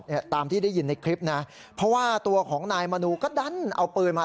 เนี่ยตามที่ได้ยินในคลิปนะเพราะว่าตัวของนายมนูก็ดันเอาปืนมา